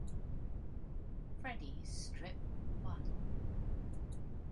Freddie's strip won.